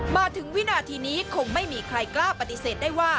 มาถึงวินาทีนี้คงไม่มีใครกล้าปฏิเสธได้ว่า